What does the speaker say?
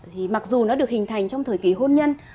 thì mặc dù nó được hình thành trong thời kỳ hôn nhân